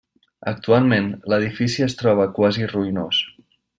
Actualment l'edifici es troba quasi ruïnós.